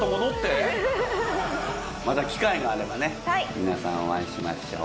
また機会があればね皆さんお会いしましょう。